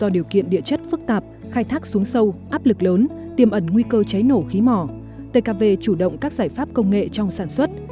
do điều kiện địa chất phức tạp khai thác xuống sâu áp lực lớn tiềm ẩn nguy cơ cháy nổ khí mỏ tkv chủ động các giải pháp công nghệ trong sản xuất